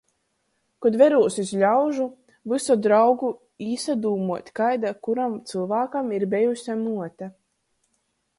Kod verūs iz ļaužu, vysod raugu īsadūmuot, kaida kuram cylvākam ir bejuse muote.